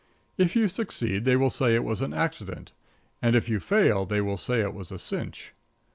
If you succeed they will say it was an accident; and if you fail they will say it was a cinch.